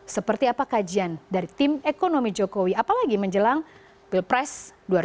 seperti apa kajian dari tim ekonomi jokowi apalagi menjelang pilpres dua ribu sembilan belas